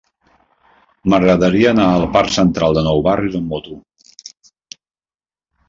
M'agradaria anar al parc Central de Nou Barris amb moto.